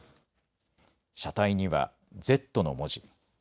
車体にはＺの文字。